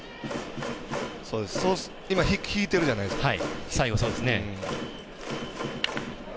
今、引いてたじゃないですか。